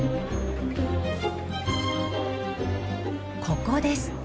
ここです。